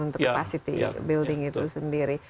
untuk capacity building itu sendiri